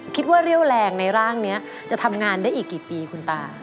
เรียกว่าเรี่ยวแรงในร่างนี้จะทำงานได้อีกกี่ปีคุณตา